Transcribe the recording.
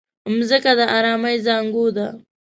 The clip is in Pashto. مځکه د ارامۍ زانګو ده.